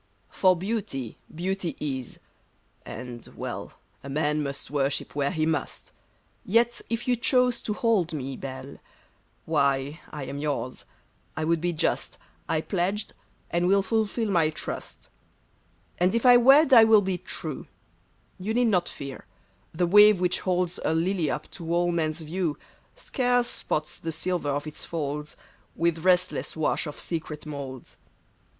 For beauty, beauty is ; and — well, A man must worship where he must ; Yet if you chose to hold me, Belle, Why, I am yours ; I would be just ; I pledged, and will fulfill my trust. And if I wed I will be true ; You need not fear ; the wave which holds A lily up to all men's view. Scarce spots the silver of its folds With restless wash of secret molds.